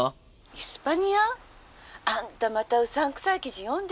「イスパニア？あんたまたうさんくさい記事読んでるの？」。